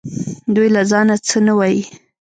دوی له ځانه څه نه وايي